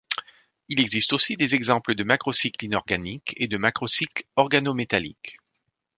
Il existe aussi des exemples de macrocycles inorganiques et de macrocycles organométalliques.